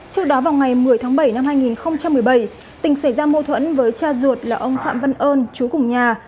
trước đó vào ngày một mươi tháng bảy năm hai nghìn một mươi bảy tỉnh xảy ra mâu thuẫn với cha ruột là ông phạm văn ơn chú cùng nhà